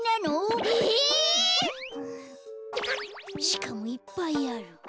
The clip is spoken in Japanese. しかもいっぱいある。